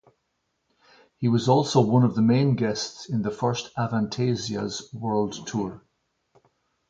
He was also one of the main guests in the first Avantasia's world tour.